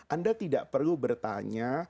anda tidak perlu bertanya